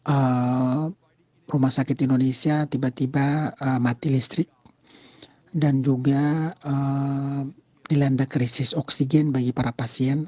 eh rumah sakit indonesia tiba tiba mati listrik dan juga dilanda krisis oksigen bagi para pasien